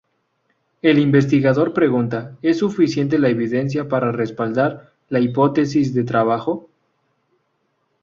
El investigador pregunta: ¿es suficiente la evidencia para "respaldar" la hipótesis de trabajo?